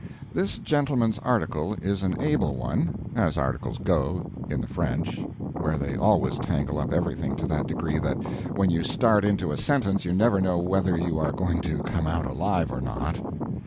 This gentleman's article is an able one (as articles go, in the French, where they always tangle up everything to that degree that when you start into a sentence you never know whether you are going to come out alive or not).